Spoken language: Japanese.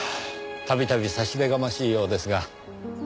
度々差し出がましいようですが。